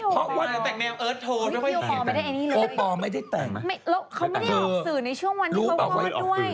พี่โอปอล์ไม่ได้แต่งแล้วเขาไม่ได้ออกสื่อในช่วงวันที่เขาคลอดด้วย